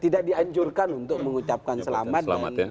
tidak dianjurkan untuk mengucapkan selamat dan